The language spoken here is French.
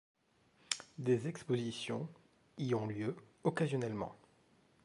Des expositions y ont lieu occasionnellement.